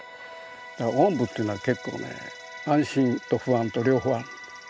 おんぶっていうのは結構ね安心と不安と両方ある。